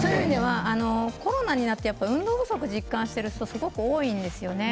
コロナになって運動不足を実感している人がすごく多いんですね。